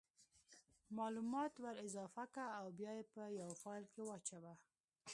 مالومات ور اضافه که او بیا یې په یو فایل کې واچوه